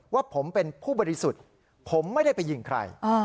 ว่าผมเป็นผู้บริสุทธิ์ผมไม่ได้ไปยิงใคร